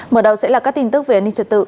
mở đầu sẽ là các tin tức về an ninh trật tự